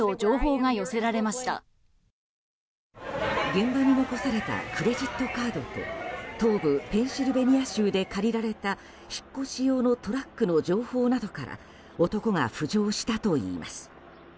現場に残されたクレジットカードと東部ペンシルベニア州で借りられた引っ越し用のトラックの情報などから男が浮上したといいます。